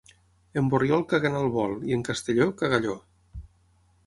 En Borriol caguen al vol i en Castelló, cagalló!